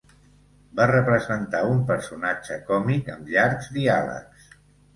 Va representar un personatge còmic amb llargs diàlegs.